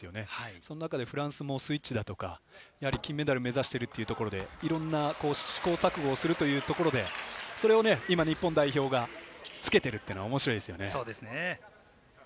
その中でフランスもスイッチや、金メダルを目指しているということで、試行錯誤するというところで今、日本代表がつけているのには面白いですよね。